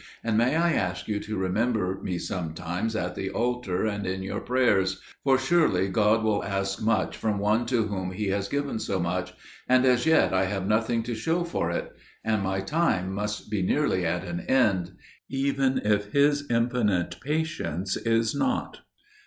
And may I ask you to remember me sometimes at the altar and in your prayers? for surely God will ask much from one to whom He has given so much, and as yet I have nothing to show for it; and my time must be nearly at an end, even if His infinite patience is not.